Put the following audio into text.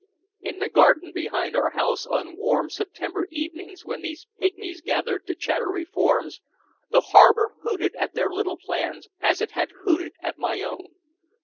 In the garden behind our house on warm September evenings when these pigmies gathered to chatter reforms, the harbor hooted at their little plans as it had hooted at my own.